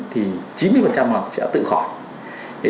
thì chín mươi là sẽ tự khỏi